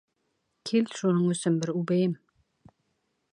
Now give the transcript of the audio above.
Кил, шуның өсөн бер үбәйем!